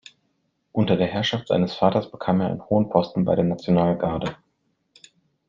Unter der Herrschaft seines Vaters bekam er einen hohen Posten bei der Nationalgarde.